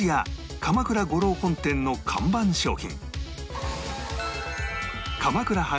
鎌倉五郎本店の看板商品